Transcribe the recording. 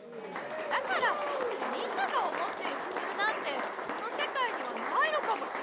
だからみんなが思ってるふつうなんてこのせかいにはないのかもしれない。